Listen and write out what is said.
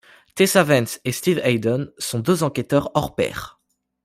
Tessa Vance et Steve Hayden sont deux enquêteurs hors pair.